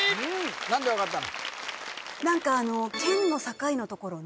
何で分かったの？